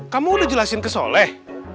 kamu udah jelasin ke soleh